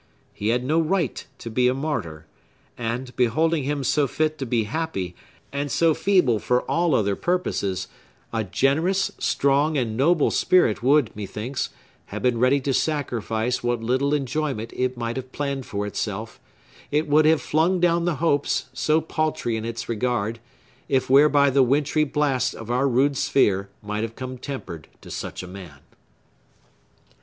He had no right to be a martyr; and, beholding him so fit to be happy and so feeble for all other purposes, a generous, strong, and noble spirit would, methinks, have been ready to sacrifice what little enjoyment it might have planned for itself,—it would have flung down the hopes, so paltry in its regard,—if thereby the wintry blasts of our rude sphere might come tempered to such a man.